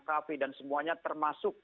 cafe dan semuanya termasuk